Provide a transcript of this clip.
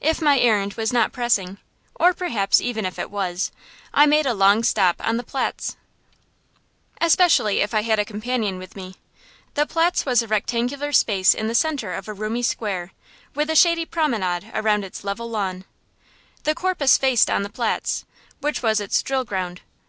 If my errand was not pressing or perhaps even if it was I made a long stop on the Platz, especially if I had a companion with me. The Platz was a rectangular space in the centre of a roomy square, with a shady promenade around its level lawn. The Korpus faced on the Platz, which was its drill ground.